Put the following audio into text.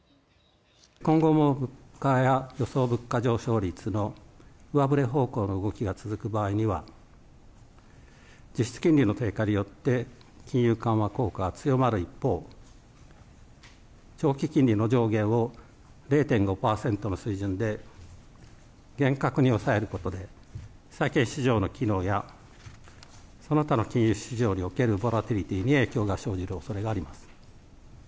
今後も物価や予想物価上昇率の上振れ方向の動きが続く場合には、実質金利の低下によって金融緩和効果が強まる一方、長期金利の上限を０．５％の水準で厳格に抑えることで、債券市場の機能やその他の金融市場におけるボラティリティに影響が生じるおそれがあります。